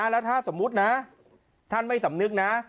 แล้วถ้าสมมุตินะท่านไม่สำนึกนะ